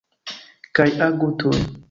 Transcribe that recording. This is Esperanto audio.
Kaj agu tuj.